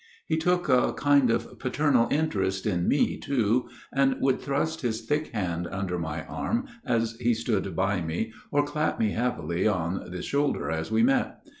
He took a kind of paternal interest in me too, and would thrust his thick hand under my arm as he stood by me, or clap me heavily on the shoulder as we met.